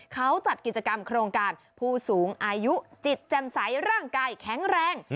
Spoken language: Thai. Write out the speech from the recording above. เขาจัดกิจกรรมโครงการผู้สูงอายุจิตแจ่มใสร่างกายแข็งแรง